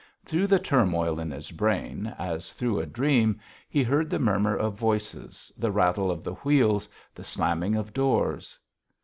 Through the turmoil in his brain, as through a dream, he heard the murmur of voices, the rattle of the wheels, the slamming of doors.